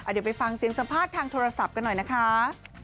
เดี๋ยวไปฟังเสียงสัมภาษณ์ทางโทรศัพท์กันหน่อยนะคะ